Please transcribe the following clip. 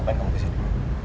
ngapain kamu kesini